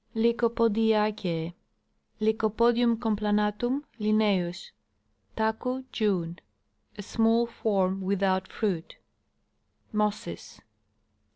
Lycopodiace^e. Lycopodmm complanatum, L. Taku, June. A small form without fruit. Mosses.